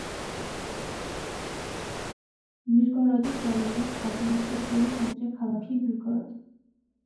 მირგოროდის რაიონის ადმინისტრაციული ცენტრია ქალაქი მირგოროდი.